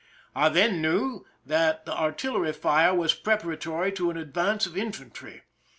I then knew that the artillery fire was preparatory to an advance of infantry.